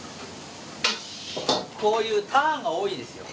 こういうターンが多いんですよ